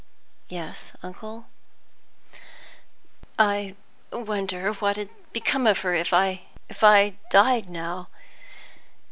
"Yes, uncle?" "I wonder what 'ud become of her if I if I died now?